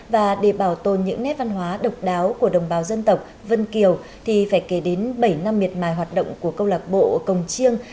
và để bảo tồn những nét văn hóa độc đáo của đồng bào dân tộc vân kiều thì phải kể đến bảy năm miệt mài hoạt động của câu lạc bộ cồng chiêng